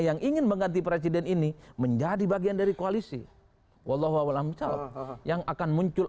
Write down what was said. yang ingin mengganti presiden ini menjadi bagian dari koalisi wallaha wamcawab yang akan muncul